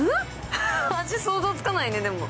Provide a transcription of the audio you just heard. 味、想像つかないね。